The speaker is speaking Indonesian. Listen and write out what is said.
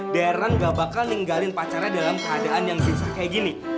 deran gak bakal ninggalin pacarnya dalam keadaan yang bisa kayak gini